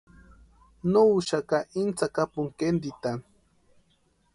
No úxaka íni tsakapuni kéntitani.